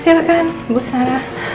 silahkan bu zahra